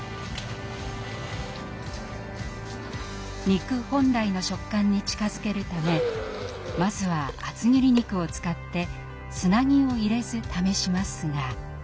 肉本来の食感に近づけるためまずは厚切り肉を使ってつなぎを入れず試しますが。